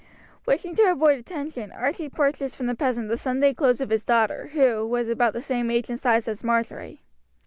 Wishing to avoid attention, Archie purchased from the peasant the Sunday clothes of his daughter, who was about the same age and size as Marjory.